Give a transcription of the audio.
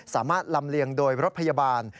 สามารถลำเลียงโดยรถพยาบาล